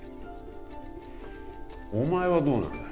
お前はどうなんだ？